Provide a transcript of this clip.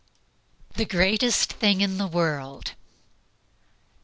LOVE: THE GREATEST THING IN THE WORLD.